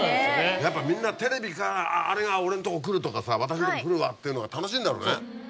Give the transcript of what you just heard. やっぱみんなテレビから「あれが俺のとこ来る」とかさ「私のとこに来るわ」っていうのが楽しいんだろうね。